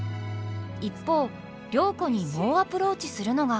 一方良子に猛アプローチするのが。